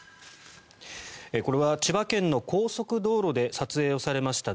これは千葉県の高速道路で撮影をされました